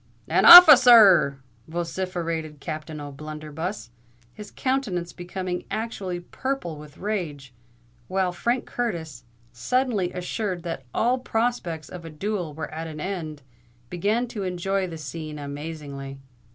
"An officer r r!" vociferated Captain O'Blunderbuss, his countenance becoming actually purple with rage, while Frank Curtis, suddenly assured that all prospects of a duel were at an end, began to enjoy the scene amazingly.